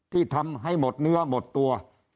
ที่ทำให้หมดเนื้อหมดตัว